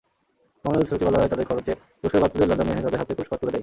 Commonwealth সচিবালয় তাদের খরচে পুরস্কারপ্রাপ্তদের লন্ডনে এনে তাঁদের হাতে পুরস্কার তুলে দেয়।